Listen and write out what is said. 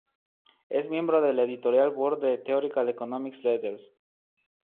Es miembro del Editorial Board de Theoretical Economics Letters.